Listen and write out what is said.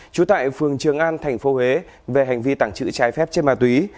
chú tại phường trường an tp huế về hành vi tàng trữ trái phép trên ma túy